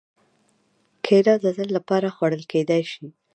کېله د تل لپاره خوړل کېدای شي.